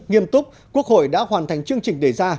nghiêm túc quốc hội đã hoàn thành chương trình đề ra